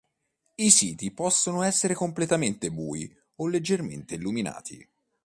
I siti possono essere completamente bui o leggermente illuminati.